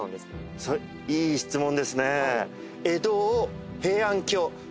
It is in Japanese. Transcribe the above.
いい質問ですね。